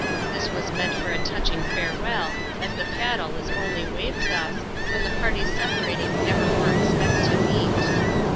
This was meant for a touching fare welly as the paddle is onlj waved thus, when the parties sepa mtiag never more expect to meet.